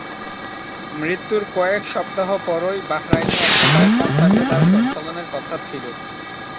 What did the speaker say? মৃত্যুর কয়েক সপ্তাহ পরই বাহরাইনে একটি লাইভ কনসার্টে তার সঞ্চালনের কথা ছিলো।